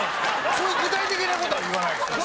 そういう具体的な事は言わないから。